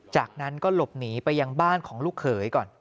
จากนั้นก็หลบหนีไปยังบ้านของลูกเขยก่อน